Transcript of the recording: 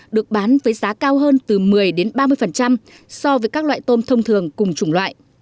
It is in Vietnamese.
được bán với giá cao hơn từ một mươi ba mươi so với các loại tôm thông thường cùng chủng loại